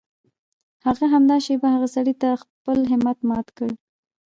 هغې همدا شېبه هغه سړی په خپل همت مات کړ.